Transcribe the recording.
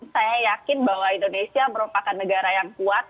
saya yakin bahwa indonesia merupakan negara yang kuat